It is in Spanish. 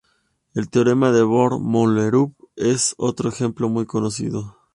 El teorema de Bohr-Mollerup es otro ejemplo muy conocido.